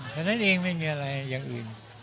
ฉะนั้นเองไม่มีอะไรอย่างอื่น